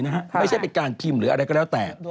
ไม่ใช่เป็นการพิมพ์หรืออะไรก็แล้วแต่